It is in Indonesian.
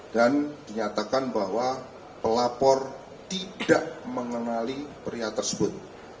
dan dinyatakan bahwa pelapor tidak mengenali pria tersebut